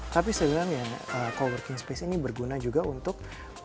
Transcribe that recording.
tapi sebenarnya coworking space ini berguna juga untuk